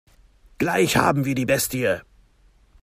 Gleich haben wir die Bestie.